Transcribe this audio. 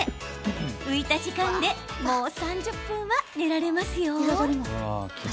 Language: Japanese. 浮いた時間でもう３０分は寝られますよ。